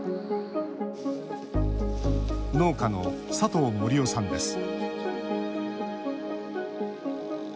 農家の佐藤盛雄さんです